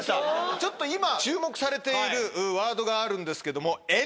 ちょっと今注目されているワードがあるんですけども。